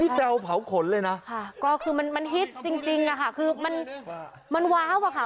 แซวเผาขนเลยนะค่ะก็คือมันมันฮิตจริงจริงอะค่ะคือมันมันว้าวอะค่ะ